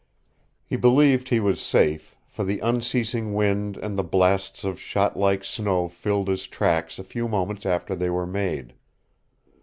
He believed he was safe, for the unceasing wind and the blasts of shot like snow filled his tracks a few moments after they were made.